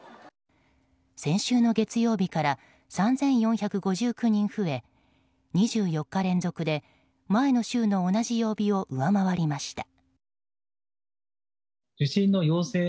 先週の月曜日から３４５９人増え２４日連続で前の週の同じ曜日を上回りました。